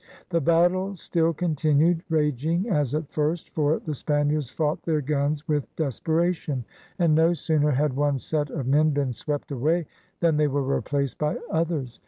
The battle still continued raging as at first, for the Spaniards fought their guns with desperation, and no sooner had one set of men been swept away than they were replaced by others.